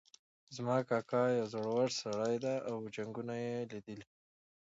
زما کاکا یو زړور سړی ده او جنګونه یې لیدلي دي